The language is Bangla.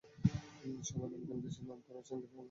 সবাই নামীদামি দেশের নাম করে চীন থেকে আনা পণ্য বিক্রি করেন।